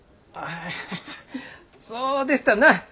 あハハッそうでしたな。